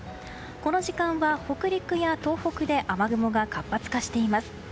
この時間は北陸や東北で雨雲が活発化しています。